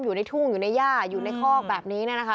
อยู่ในทุ่งอยู่ในย่าอยู่ในคอกแบบนี้นะคะ